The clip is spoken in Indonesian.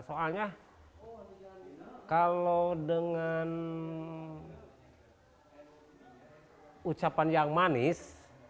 soalnya kalau dengan ucapan yang manis